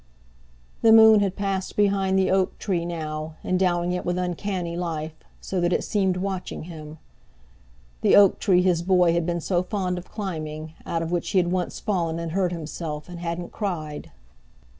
The moon had passed behind the oak tree now, endowing it with uncanny life, so that it seemed watching him—the oak tree his boy had been so fond of climbing, out of which he had once fallen and hurt himself, and hadn't cried!